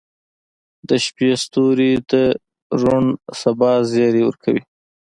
• د شپې ستوري د روڼ سبا زیری ورکوي.